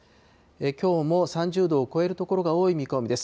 きょうも３０度を超える所が多い見込みです。